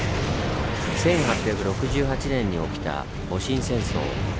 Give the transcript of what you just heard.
１８６８年に起きた戊辰戦争。